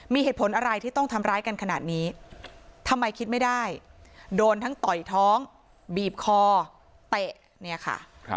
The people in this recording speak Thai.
มีเหตุผลอะไรที่ต้องทำร้ายกันขนาดนี้ทำไมคิดไม่ได้โดนทั้งต่อยท้องบีบคอเตะเนี่ยค่ะ